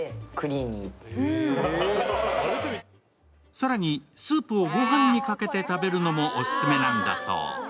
更にスープをご飯にかけて食べるのもオススメなんだそう。